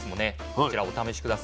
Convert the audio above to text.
こちらお試し下さい。